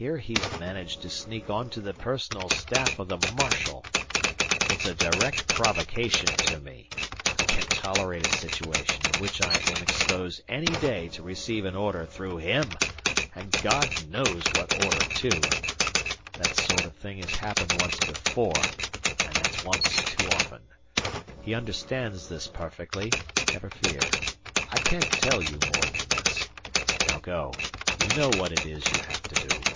Here he's managed to sneak onto the personal staff of the marshal. It's a direct provocation to me. I can't tolerate a situation in which I am exposed any day to receive an order through him, and God knows what order, too! That sort of thing has happened once before and that's once too often. He understands this perfectly, never fear. I can't tell you more than this. Now go. You know what it is you have to do."